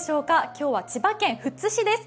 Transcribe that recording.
今日は千葉県富津市です。